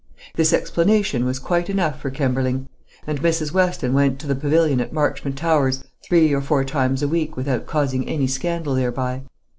This explanation was quite enough for Kemberling; and Mrs. Weston went to the pavilion at Marchmont Towers three or four times a week without causing any scandal thereby.